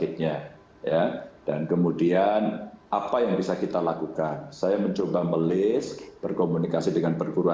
terima kasih pak dir